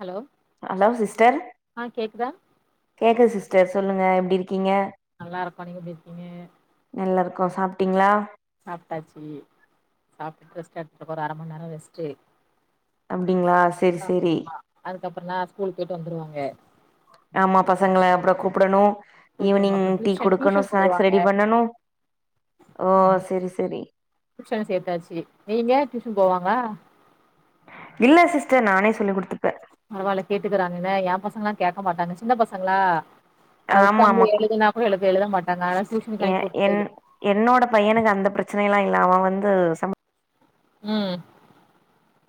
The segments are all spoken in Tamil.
ஹலோ ஹலோ சிஸ்டர் ஆ கேக்குதா கேக்குது சிஸ்டர் சொல்லுங்க எப்டிருக்கீங்க நல்லாருக்கோ நீங்க எப்டிருக்கீங்க நல்லாருக்கோ சாப்ட்டிங்களா சாப்ட்டாச்சி சாப்ட்டுட்டு ரெஸ்ட் எடுத்துட்டுருக்கோ ஒரு அர மண் நேரோ ரெஸ்ட்டு அப்டிங்களா செரி செரி அதுக்கப்பறோன ஸ்கூல் போய்ட்டு வந்துருவாங்க ஆமா பசங்கள அப்றோ கூப்டணு ஸ்கூல் போயிட்டு வந்தா ஈவினிங் அப்புறோ டீ டியூஷன் கொடுக்கணு டியூஷன் ஸ்நாக்ஸ் போயிருவாங்க ரெடி பண்ணணு ஓ செரி செரி டியூஷனு சேத்தாச்சு நீங்க டியூஷன் போவாங்க இல்ல சிஸ்டர் நானே சொல்லி குடுத்துப்பே பரவால்ல கேட்டுக்கிறாங்கங்க எ பசங்களா கேக்க மாட்டாங்க சின்ன பசங்களா அ ஆமா ஒக்காந்து ஆமா கு- எழுதுனா கூட எழுது எழுத மாட்டாங்க ஆனா டியூஷனுக்கு எ அனுப்பிவுட்டது என் என்னோட பையனுக்கு அந்த ப்ரச்சனை எல்லா இல்லா அவ வந்து சம ம்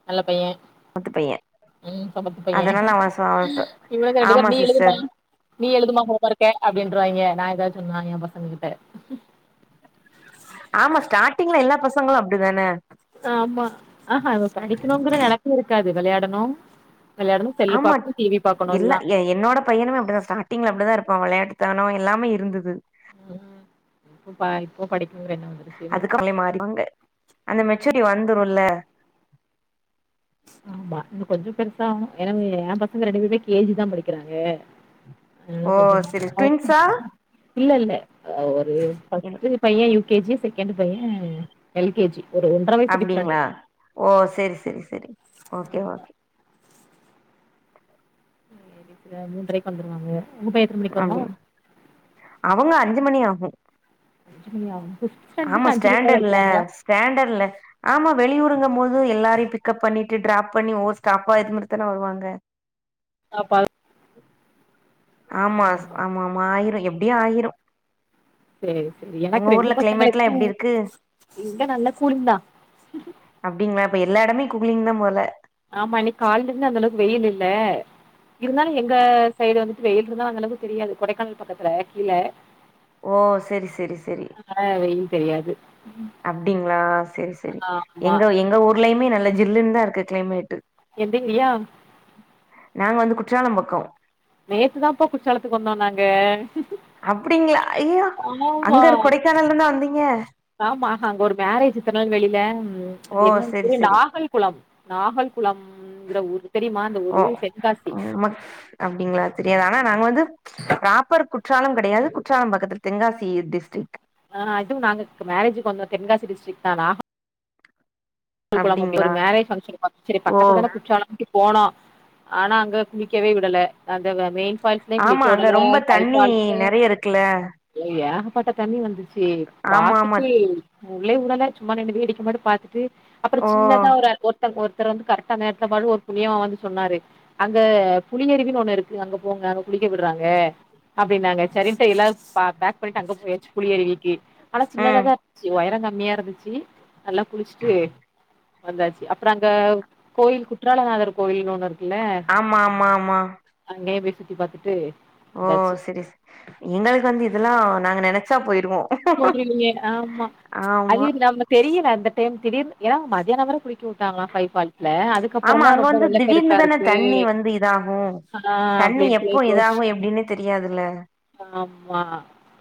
நல்ல பையே சமத்து பைய ம் சமத்து பையே அதனால அவ ச அவ இவனுங்க ரெண்டு ஆமா பேரு நீ எழுதும்மா சிஸ்டர் நீ எழுதுமா ஹோம்வொர்க்க அப்டின்றுவாய்ங்க நா ஏதாவ்து சொன்னா எ பசங்ககிட்ட ஆமா ஸ்டார்டிங்ல எல்லா பசங்களு அப்டிதான ஆமா ஆஹா இவ படிக்கணுங்கிற நெனப்பே இருக்காது வெளையாடணு வெளையாடணு செல்லு ஆமா பாக்கணு டிவி பாக்கணு இல்ல இதுதா எ என்னோட பையனுமே அப்டிதா ஸ்டார்டிங்ல அப்டிதா இருப்பா வெளையட்டு தானே எல்லாமே இருந்துது ஆனா இப்போ பா இப்போ படிக்ககினுங்குற என்னோ வந்துருச்சு [inaudible] வுங்களே மாறிவங்க அந்த மெச்சூரி வந்துருல்ல ஆமா இன்னு கொஞ்ச பெருசாவுணு எனங்கு ஏ பசங்க ரெண்டு பேருமே கே ஜி தா படிக்கிறாங்க ஓ செரி ட்வின்ஸா இல்லல்ல அ ஒரு ஃபஸ்ட்டு பையே யு கே ஜி செகண்ட்டு பையே எல் கே ஜி ஒரு ஒன்றரை வயசு டிஃப்ரெண்ட் அப்டிங்ளா ஓ செரி செரி செரி ஓகே ஓகே [inaudible] மூன்றக்கி வந்துருவாங்க உங்க பைய எத்தன மணிக்கு வருவா அப்டிங் அவுங்க அஞ்சு மணி ஆகு அஞ்சு மணியாகு சீஸ் ஆமா ஸ்டாண்டட்ல ஸ்டாண்டட்ல ஆமா வெளியூருங் போது எல்லாரையு பிக்கப் பண்ணிட்டு டிராப் பண்ணி ஓவ்வொரு ஸ்டாப்பா ஏத்து முட்டித்தான வருவாங்க ஸ்டாப்பா ஆமா ஆமா ஆமா ஆயிரு எப்டியு ஆயிரு சேரி செரி எனக்கு உங்க ரெண்டு ஊர்ல கிளைமேட்லா பசங்களுக்கு எப்டி இருக்கு இங்க நல்ல கூலிங்தா அப்டிங்ளா இப்ப எல்லா எடமே கூலிங்தா போல ஆமா இன்னிக் காலேருந்து அந்தளவுக் வெயில் இல்ல இருந்தாலு எங்க சைடு வந்துட்டு வெயில் இருந்தா அந்தளவுக்கு தெரியாது கொடைக்கானல் பக்கத்துல கீழ ஓ செரி செரி செரி அ வெயில் தெரியாது அப்டிங்ளா செரி செரி ஆமா எங்க எங்க ஊர்லயுமே நல்ல ஜில்லுன்தாருக்கு க்ளைமேட் எந்தங்கியா நாங்க வந்து குற்றால பக்கோ நேத்துதாப்பா குற்றாலத்துக்கு வந்தோ நாங்க அப்டிங்ளா ஐயோ ஆமா அங்கரு கொடைக்கானலருந்தா வந்தீங்க ஆமா அங்க ஒரு மேரேஜ் திருநெல்வேலில ம் ஓ அது என்ன செரி ஊரு செரி நாகல்குளம் நாகல் குளம்ங்ற ஊரு தெரியுமா அந்த ஊரு தென்காசி நமக் அப்டிங்ளா தெரியாது ஆனா நாங்க வந்து ப்ராப்பர் குற்றாலம் கெடையாது குற்றால பக்கத்துல தெங்காசி டிஸ்ட்ரிக் அ அதுவு நாங்க மேரேஜுக்கு வந்தோ தெங்காசி டிஸ்ட்டிரிக் தா ஆனா கல்குளம் அப்டி ஒரு அப்டிங்களா மேரேஜ் ஃபங்ஷன் செரி ஓ பக்கத்துலதான குற்றால போனோ ஆனா அங்க குளிக்கவே விடல அது வந் மெயின் ஃபால்ஸ்லயு ஆமா குளிக்க அங்க விடல ரொம்ப தண்ணி ஹைபால்ஸ்லயு நெறைய இருக்குல்ல எ ஏகப்பட்ட தண்ணி வந்துச்சு ஆமா ஆமா பாத்துட்டு உள்ளே உடல சும்மா நின்னு வேடிக்க மட்டு பாத்துட்டு அப்றோ ஓ சின்னதா ஒரு ஆள் போட் ஒருத்தரு வந்து கரட்டா அந்த நேரத்துல பா ஒரு புன்னியவா வந்து சொன்னாரு அங்க புலியருவினு ஒண்ணு இருக்கு அங்க போங்க அங்க குளிக்க விட்றாங்க அப்டினாங்க சேரின்ட்டு எல்லாரு பேக் பண்ணிட்டு அங்க போயாச்சு புளி அறிவிக்கி ஆனா ம் சின்னதாதாருந் ச்சி ஒயர கம்மியாருந்துச்சு நல்லா குளிச் சுட்டு வந்தாச்சு அப்றோ அங்க கோயில் கு குற்றாலநாதர் கோயில்னு ஒண்ணு இருக்குல ஆமா ஆமா ஆமா அங்கையு போய் சுத்தி பாத்துட்டு ஓ வந்தாச்சு. செரி செரி எங்களுக்கு வந்து இதெல்லா நாங்க நெனச்சா போயிருவோ போய்ருவிங்க ஆமா அது ஆமா இல்லாம தெரியல அந்த டைம் திடீர்னு ஏனா மதியான வர குளிக்கவிட்டாங்ளா பைஃபால்ஸ்ல ஆமா அங்க வந்து திடீர்னு தான தண்ணி வந்து இதாகு ஆ தண்ணி அப்படின்ட்டு எப்போ யோசி இதாகு எப்டினே தெரியாதுல ஆமா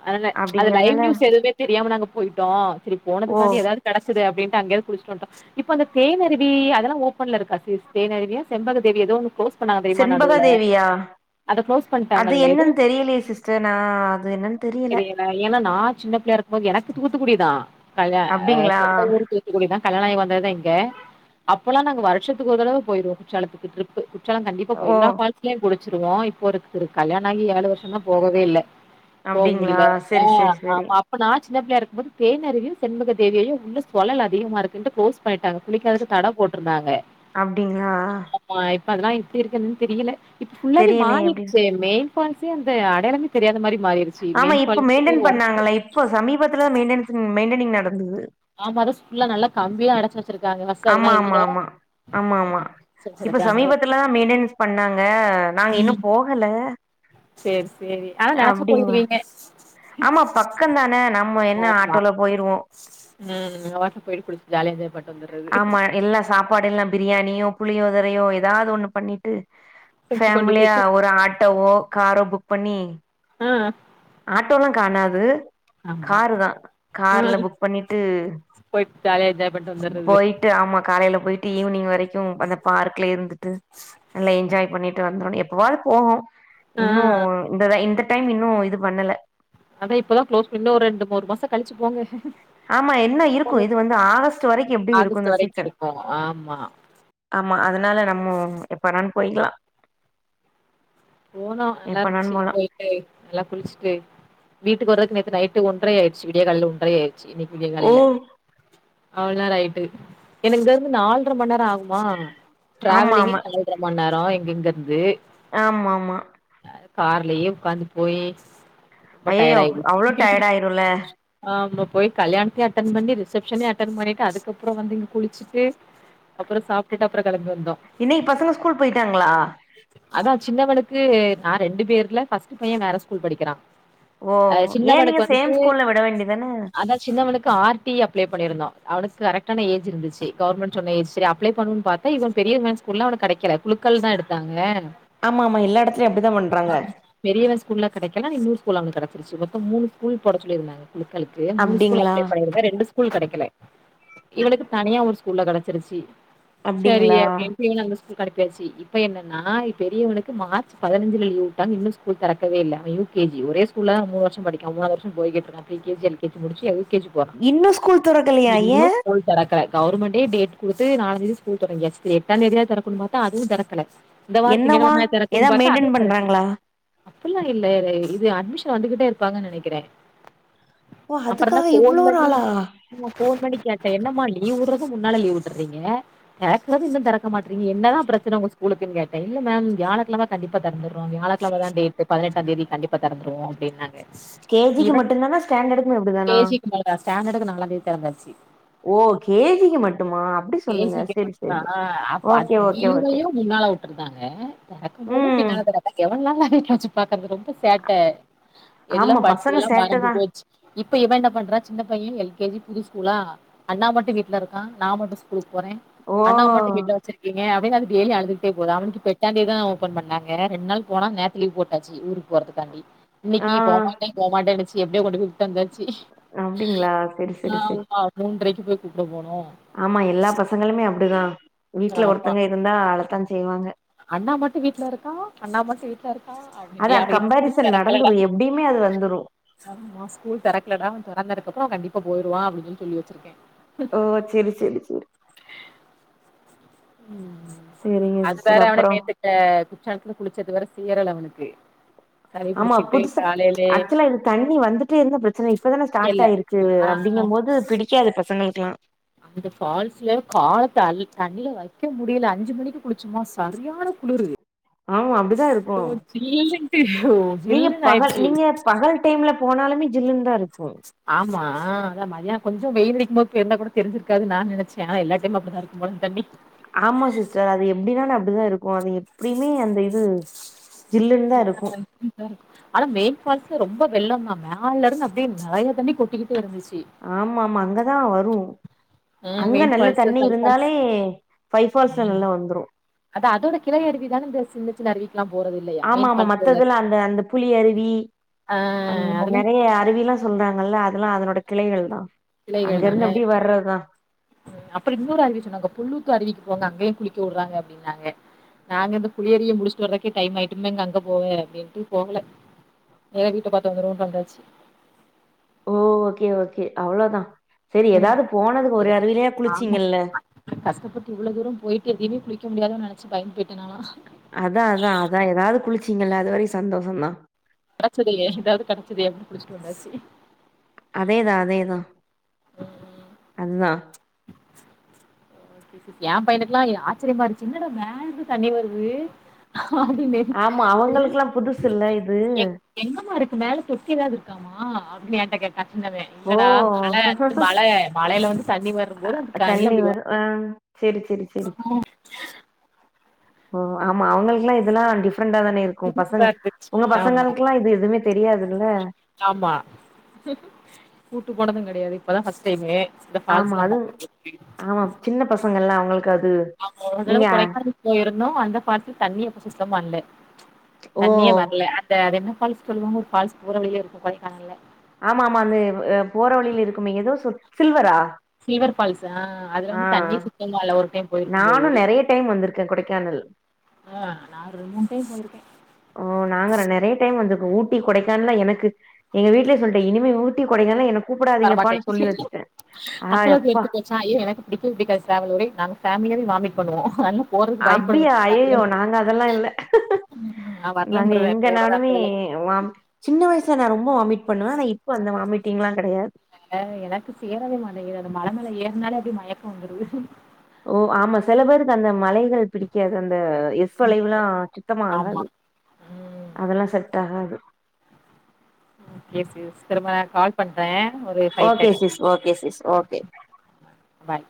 ஆனா அது லைவ் அப்டிங்கறதுனால நியூஸ் எதுமே தெரியாம நாங்க போயிட்டோ சேரி ஓ போனதுக்காண்டி ஏதாது கெடச்சுதே அப்டிண்டு அங்கே குளிச்சுட்டு வண்டோ இப்ப அந்த தேனருவி அதெல்லா ஓப்பன்ல இருக்கா சிஸ் தேனருவியா செம்பக தேவியா ஏதோ ஒன்னு க்ளோஸ் பண்ணங்க தெரியுமா செண்பக நடுவுல தேவியா அத க்ளோஸ் பண்டாங்க ஏதோ தெரியலயே சிஸ் டன் நா அது என்னனு தெரில ஏனா நா சின்ன புள்ளையா இருக்குபோது எனக்கு தூத்துக்குடிதா கல்யா ஆ அப்டிங்களா சொந்த ஊரு தூத்துக்குடி தா கல்யனோ ஆயி வந்ததுதா இங்க அப்போலா நாங்க வருஷத்துக்கு ஒரு தடவ போயிருவோ குற்றாலத்துக்கு ட்ரிப் குற்றாலோ கண்டிப்பா போய் ஓ எல்லா ஃபால்ஸ்லயு குளிச்சிருவோ இப்போ இருக்கு கல்யாண ஆகி ஏழு வருஷோ தா போகவே இல்ல போக அப்டிங்களா முடியல ஆ செரி செரி செரி அப்ப நான் சின்ன பிள்ளயா இருக்கு போது தேனருவியு செண்முக தேவியு உள்ள சுழல் அதிகமா இருக்குண்டு க்ளோஸ் பண்டாங்க குழிக்கததுக்கு தட போட்ருந்தாங்க அப்டிங்ளா ஆ இப்ப அதெல்லா எப்டி இருக்குதுன்னு தெரியல இப்ப ஃபுல்லாவே தெரியலையே எப்டி மாறிடுச்சு மெயின் ஃபால்ஸே அ அடையாளமே தெரியாத மாரி மாறிருக் ஆமா இப்ப மெயின்டென் பண்ணாங்கல்லே இப்ப சமீபத்துலதா மெடேன்ஸ் மெயின்டெனிங் நடந்தது ஆமா அதா ஸ்குல்லா நல்லா கம்மியா அடைச்சு வச்சிருக்காங்க ஃபஸ்ட்டு அதெல்லா இல்ல ஆமாமா அடைச்சு இப்ப வச்சிருக்காங்க. சமீபத்துலதா மெயின்டெனன்ஸ் பண்ணாங்க நாங்க இன்னும் ம். போகல சரி சரி ஆனா நெனச்சா அப்டிங்களா போய்ருவீங்க ஆமா பக்கதான நம்ம என்ன ஆமா. ஆட்டோல போயிருவோ ம் வாட்டு போய்டு குழிச்சுட்டு ஜாலியாக என்ஜாய் பன்ட் ஆமா எல்லா சாப்பாடெல்லா பிரியாணியோ புளியோதரையோ ஏதாவது ஒண்ணு பண்ணிட்டு தூக்கி கொண்டு ஃபேமிலியா போயிட்டு ஒரு ஆட்டோவோ காரோ புக் பண்ணி ம் ஆட்டோல்லா காணாது ஆமா காரு தான் ஆ கார்ல புக் பண்ணிட்டு போயிட்டு ஜாலியா என்ஜாய் பண்ட்டு வந்துர்றது போய் ட்டு ஆமா காலையில போய்ட்டு ஈவினிங் வரைக்கு அந்த பார்க்லே இருந்துட்டு நல்லா என்ஜாய் பண்ணிட்டு வந்துருனு எப்பவாவது போவோ ஆ இன்னு இந்த இந்த டைம் இன்னு இது பண்ணல அத இப்பதா க்ளோஸ் பின்னு ஒரு ரெண்டு மூனு மாசோ கழிச்சு போங்க ஆமா இன்னு இருக்கும் இது வந்து ஆகஸ்ட் வரைக்கு எப்டியு இருக்கு ஆகஸ்ட் இந்த வரைக்கு சீசன் இருக்கு ஆமா ஆமா அதனால நம்ம எப்ப னாலும் போயிக்கலா போனோ நல்லா எப்பனாலும் இருந்துச்சு போலாம். போய் ய் நல்லா குளிச்சிட்டு வீட்டுக்கு வரதுக்கு நேத்து நைட்டு ஒன்டறை ஆயடுச்சு விடியா கால ஒன்டறை ஆய் இன்னைக்கு விடிய ஓ காலைல அவ்ள நேரோ ஆயிட்டு எனக்கு இங்க இருந்து நால்ர மண்நேரோ ஆகு மா ஆமா டிரவலிங்கே ஆமா நால்ற மண்நேரோ இங் இங்கருந்து ஆமாமா கார்லயே உட்காந்து போயி ஐயயோ அவ்ளோ டயர்ட் ஆயிரும்ல ஆம போய் கல்யாணத்தையு அட்டென் பண்ணி ரிசப்ஷன யு அட்டன் பண்ணிட்டு அதுக்கப்ரோ வந்து இங்க குளிச்சிட்டு அப்ரோ சாப்டுட்டு அப்ரோ கெளம்பி வந்தோ இன்னைக்கு பசங்க ஸ்கூல் போயிட்டாங்களா அதா சின்னவனுக்கு நா ரெண்டு பேர்ல ஃபர்ஸ்ட் பையே வேற ஸ்கூல் படிக்கிறா ஓ அ ஏன் நீங்க சின்னவனுக்கு வந்துட்டு சேம் ஸ்கூல்ல விட வேண்டியதான அதா சின்னவனுக்கு ஆர் டி அப்ளே பண்ணிருந்தோ அவனுக்கு கரெக்டான ஏஜ் இருந்துச்சு கவர்மெண்ட் சொன்ன ஏஜ் சரி அப்ளை பண்ணும் பாத் தா இவன் பெரிய வ ஸ்கூல்ல அவனுக்கு கிடைக்கல குழுக்கள் தா எடுத்தாங்க ஆமாமா எல்லா எடத்துலயு அப்டிதா பண்றாங்க பெரியன் ஸ்கூல்ல கெடைக்கல இன்னூரு ஸ்கூல்ல அவனுக்கு கிடைச்சிருச்சி மொத்தோ மூணு ஸ்கூல் போட சொல்லிருந்தாங்க குலுக்கல் இது மூனு ஸ்கூல் அப்டிங்களா அப்லெ பண்ணிருந்தே ரெண்டு ஸ்கூல் கெடைக்கல இவனுக்கு தனியா ஒரு ஸ்கூல்ல கெடச்சிருச்சு சரி அப்டிங்களா அப்டின்டு இனி அந்த ஸ்க் கூளுக்கு அனுப்பியாச்சு இப்ப என்னன்னா பெரியவனுக்கு மார்ச் பதினஞ்சு லீவ் விட்டாங்க இன்னும் ஸ் ஸ்கூல் தெரக்கவே இல்ல அவெ யூ கே ஜி ஒரே ஸ்கூல்ல தா மூணு வருஷம்படிக்கா மூணாவது வருஷம் போய் கிட்டு இருக்கான் pre K G L K G முடிச்சு யூ கே ஜி போறான். இன்னு ஸ்கூல் தெறக்கலையா ஏ இன்னும் ஸ்கூல் தெறக்கல கவர்மெண்டே டேட் குடுத்து நாலாந்தேதி ஸ்கூல் தொடங்கியாச்சு எட்டாந்தேதி தெறக்கணு பாத்தா அதுவு தெறக்கல இந்த வார என்னவா திங்ககெழமயாது ஏதா தெறக்கும்ன்னு பாத்தா மெயின்டென் அதுவு தெறக்கல பண்றாங்களா அப்டில்லா இல்ல இது அட்மிஷன் வந்துகிட்டே இருப்பாங்கன் நெனக்குறே ஓ அப்பறந்தா அதுக்காக ஃபோன் இவ்ளோ பண்ணி நாளா ஃபோன் பண்ணி கேட்டே என்னம்மா லீவுறது முன்னால லீவ் விட்றீங்க நேத்துல இருந்து இன்னு தெறக்க மாட்றீங்க என்னதா பிரச்சன உங்க ஸ்கூலுக்குன்னு கேட்டே இல்ல மேம் வியாழக்கெழம கண்டிப்பா தெறந்துடுவோ வியாழக்கெழமதா டேட்டு பதினெட்டா தேதி கண்டிப்பா தெறந்துருவோ அப்டினாங்க இவ என்னன ஸ்டாண்டடுக்குமே அப்டிதா கே ஜிக்கு இல்லா ஸ்டாண்டடுக்கு நாலந்தேதி தெரந்தாச்சு ஓ கேஜிக்கு மட்டுமா அப்டி சொல்லுங்க பேசிக்க செரி மட்டனா செரி அ அது ஓகே ஓகே ஓகே இவைகளையு முன்னால வந்தாங்க தெரக்கும்போதும் ம் பின்னால எவன்லா அச்சு பாக்கறது ரொம்ப சேட்ட எல்லா ஆமா பசங்க படுச்சதெல்லா மறந்து சேட்டதா போச்சு இப்ப இவ என்ன பண்றா சின்ன பைய எல் கே ஜி புது ஸ்கூலா அண்ணா மட்டு வீட்ல இருக்கா நா மட்டு ஸ்கூலுக்கு போறே ஓ அண்ணாவ மட்டு வீட்ல வச்சிருக்க எப்டிங்க அபினாகுட்டி ஏ அழுது கிட்ட போதா அவனுக்கு எட்டாந் தேதி தா ஓபன் பண்ணாங்க ரெண்டு நாள் போன நேத்து லீ்வ் போட்டாச்சி போறதுக்காண்டி இன்னைக்கி ஆ போமாட்டே போமாட்டேன்னுச்சு எப்டியோ கொண்டு போய் விட்டுட்டு வந்தாச்சு அப்டிங்களா செரி செரி செரி ஆமா மூன்ரைக்கு போய் கூப்ட போனு ஆமா எல்லா பசங்களுமே அப்டிதா வீட்ல ஆமா ஒருத்தங்க இருந்தா அழத்தா செய்வாங்க அண்ணா மட்டு வீட்ல இருக்கா அண்ணா மட்டு வீட்ல இருக்கா அப்டி அதா டே அவனுக்கு ஸ்கூல் கம்பாரிசன் தெரக்கலடா நடந்துரு எப்டியுமே அது வந்துரு ஆமா ஸ்கூல் தெரக்கலடா தொறந்ததுக்கு அப்பறோ கண்டிப்பா போய்டுவா அப்டினு சொல்லி வச்சுருக்கே ஓ செரி செரி செரி [inaudible] செரிங்க அது வேற சிஸ்டர் அவன அப்றோ நேத்துகிட்ட குற்றாலத்ல குளிச்சது வேற சேரல அவனுக்கு சளி ஆமா பிடிச்சுக்கிட்டு புதுசா காலையிலே ஆக்சுவலா இது தண்ணி வந்துட்டே இருந்தா பிரச்சன இப்பதான ஸ்டாட் இல்ல ஆயிருக்கு க்கு ஆ அப்டிங்க போது பிடிக்காது பசங்களுக்கெல்லா இந்த ஃபால்ஸ்ல கால தண்ணீல வக்க முடியல அஞ்சு மணிக்கு குளிச்சோமா சரியான குளுரு ஆமா அப்டிதா இருக்கு ஜில்லுலெண்டு ஓ நீங்க பகல் நீங்க பகல் டைம்ல போனாலுமே ஜில்லு தா இருக்கு ஆமா மதியான கொஞ்சோ வெயில் அடிக்கும்போது போய் இருந்தா கூட தெருஞ்சு இருக்காது நா நெனச்சே ஆனா எல்லா டைமு அப்டிதா இரு மொத தண்ணி ஆமா சிஸ்டர் அது எப்டினா அப்டிதா இருக்கு அது எப்டியுமே அந்த இது ஜில்லுன்னு தா இருக்கு ஆ ஆனா மெயின் ஃபால்ஸ் ரொம்ப வெள்ள தா மேல இருந்து அப்டியே நெறய தண்ணி கொட்டிக்கிட்டே இருந்துச்சு ஆமா ஆமா அங்கதா வரு ம் அங்க மெயின் நல்ல ஃபால்ஸு தண்ணி சைட் இருந்தாலே பைபால்ஸ்ல நல்லா வந்துரு அத அதோட கிளை அருவிதான இந்த சின்ன சின்ன அருவி ஆமா ஆமா மத்ததெல்லா அந்த அந்த புலி அருவி ஆ அ அதெல்லா நெறய அருவி எல்லா சொல்றாங்கல்ல அதெல்லா அதனோட கிளைகள் தா அங்க கிளைகள் தான இருந்து அப்டியே வர்றதுதா அப்பற இன்னோரு அருவி சொன்னாங்க புள்ளூத்து அருவிக்கு அங்கேயு குளிக்க விடுறாங்க அப்டினாங்க நாங்க இந்த குளியலையே முடிச்சுட்டு வர்றதுக்கே டைம் ஆயிட்டு இங்க எங்க அங்க போக அப்டின்ட்டு போகல ஏதோ வீட்ட பாத்து வந்துரூவோன் வந்தாச்சு ஓ ஓகே ஓகே அவ்வளோதா சேரி ம் ஏதாவது போனதுக்கு ஒரு ஏதோ அருவிலயாத் ஆமா குளிச்சிங்கல்ல கஷ்டப்பட்டு இவ்வளவு தூரம் போயிட்டு எதுலியுமே குளிக்க முடியாதோன்னு நெனச்சு பயந்து போயிட்டே நாலா அதா அதா அதா ஏதாவது குளிச்சிங்கல்ல அதுவரைக்கும் சந்தோஷம் தா [unintelligible] இதாவது கடச்சிதே அப்புடின்னு குளிச்சிட்டு வந்தாச்சு அதேதா அதேதா அதுதா இல்ல சிஸ் ஏன் பையனுக்ககுல்லா எ ஆச்சரியமா இருச்சு என்னடா மேல்து தண்ணி வருது ஆமா அவங்களுக்குல்லா புதுசு இல்ல இது [unintelligible] எங்கம்மா இருக்கு மேல தொட்டி ஏதாவது இருக்காமா அப்புடின்னு என்ட்ட கேக் கட்னது ஓ இல்லடா மலை அந்து மலை மலையில வந்து தண்ணி வரும்போது அதுக்கு கனி தண்ணி அப்புடி வ வரு ஆ சேரி சேரி சேரி ம் ஓ ஆமா அவங்கள்க்குல்லா இதெல்லாம் டிஃப்ரண்ட்டா தானே இருக்கும் பசங்க புதுசா இருந்துச்சு உங்க ஆமா பசங்களுக்குல்லா இது எதுவுமே தெரியாதுல்ல ஆமா கூட்டு போனதும் கிடையாது இப்பதா ஃபர்ஸ்ட் டைமு இந்த ஆமா ஃபால்ஸ்லா அதுவும் பாக்கறதுக்கு ஆமா சின்ன பசங்கல்லா அவங்களுக்கு அது நாங்க ஒருதடவ நீங்க கொடைக்கானல் போயிருந்தோ அந்த ஸ்பாட்ல தண்ணி அப்ப சுத்தமா இல்ல ஓ தண்ணியே வர்ல அந்த அது என்ன ஃபால்ஸ் சொல்லுவாங்க ஒரு ஃபால்ஸ் போற வழிலயே இருக்கும் கொடைக்கானல்ல ஆமா ஆமா அந்த எ அ போற வழியில இருக்குமே ஏதோ சொல் சில்வரா சில்வர் ஃபால்ஸா அதுல வந்து தண்ணி சுத்தமா இல்ல ஒரு டைம் போயிருக்கும் போது நானும் நெறைய டைம் வந்திருக்கேன் கொடைக்கானல் ஆ நா ரெண்ட் மூன் டைம் போயிருக்கே ஓ நாங்க நா நெறைய டைம் வந்துருக்கோ ஊட்டி கொடைக்கானல்லா எனக்கு எங்க வீட்லே சொல்ட்டேன் இனிமே ஊட்டி கொடைக்கானல்லா என்ன வரமாட்டே கூப்புடாதீங்கப்பான்னு சொல்லி வச்சுட்டேன் ஆ எப்பா ச்சா ஐயோ எனக்கு பிடிக்கவே பிக்காது டிராவல் [unintelligible] நாங்க ஃபேமிலியாவே வாமிட் பண்ணுவோ [unintelligible] அப்டியா ஐய்யய்யோ நாங்க அதெலா இல்ல நான் நாங்க வரலன்றுவேன் போறதா எங்கனாலுமே இருந்தாலும் எ வாம்ட் சின்ன வயசுல நா ரொம்போ வாமிட் பண்ணுவே நா இப்ப அந்த வாமிட்டிங்ல்லா கிடையாது அ எனக்கு சேரவே மாட்டேங்குது அந்த மல மேல ஏறனாலே அப்டியே மயக்கோ வந்துடுது ஓ ஆமா சில பேருக்கு அந்த மலைகள் பிடிக்காது அந்த இஸ் ஸ் வளைவுலா சுத்தமா ஆமா ஆகாது ம் அதெல்லா செட் ஆகாது ஓகே சிஸ் திரும்ப நா கால் பண்றேன் ஒரு ஃபைவ் ஓகே தேட்டிங்கி சிஸ் ஓகே சிஸ் ஓகே பாய்